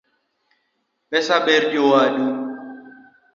Pesa ber jowadu